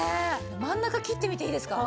真ん中切ってみていいですか？